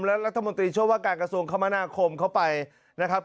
รัฐมนตรีช่วยว่าการกระทรวงคมนาคมเข้าไปนะครับ